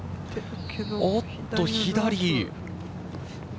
おっと、左。